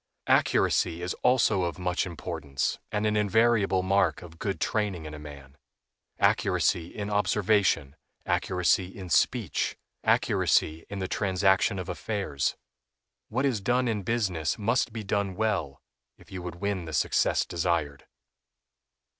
Accuracy is also of much importance, and an invariable mark of good training in a man—accuracy in observation, accuracy in speech, accuracy in the transaction of affairs. What is done in business must be done well if you would win the success desired.